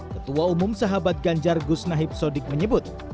ketua umum sahabat ganjar gus nahib sodik menyebut